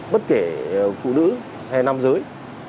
bất kể phụ nữ hay nam giới